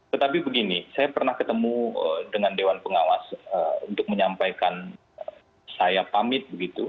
tetapi begini saya pernah ketemu dengan dewan pengawas untuk menyampaikan saya pamit begitu